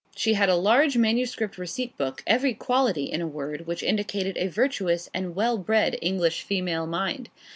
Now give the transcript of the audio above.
She had a large manuscript receipt book every quality, in a word, which indicated a virtuous and well bred English female mind.